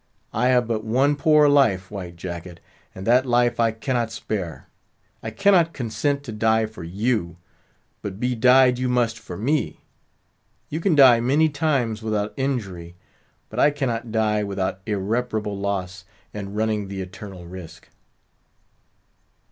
I have but one poor life, White Jacket, and that life I cannot spare. I cannot consent to die for you, but be dyed you must for me. You can dye many times without injury; but I cannot die without irreparable loss, and running the eternal risk."